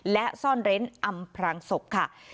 และซ่อนเร้นอำพรางศพค่ะ